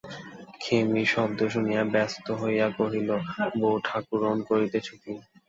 খেমি শব্দ শুনিয়া ব্যস্ত হইয়া কহিল, বউঠাকরুন, করিতেছ কী।